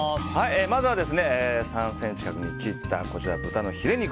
まずは３ｃｍ角に切った豚のヒレ肉。